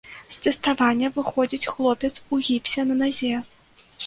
З тэставання выходзіць хлопец у гіпсе на назе!